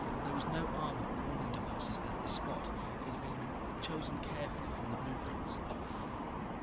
There was no armor or warning devices at this spot, it had been chosen carefully from the blueprints.